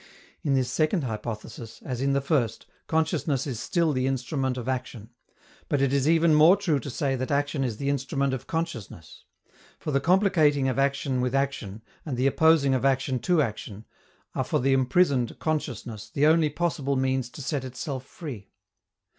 In this second hypothesis, as in the first, consciousness is still the instrument of action; but it is even more true to say that action is the instrument of consciousness; for the complicating of action with action, and the opposing of action to action, are for the imprisoned consciousness the only possible means to set itself free.